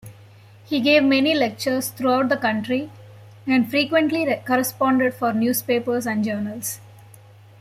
He gave many lectures throughout the country and frequently corresponded for newspapers and journals.